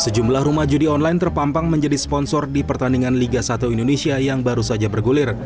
sejumlah rumah judi online terpampang menjadi sponsor di pertandingan liga satu indonesia yang baru saja bergulir